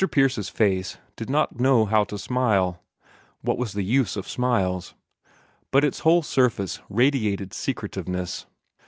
Pierce's face did not know how to smile what was the use of smiles? but its whole surface radiated secretiveness.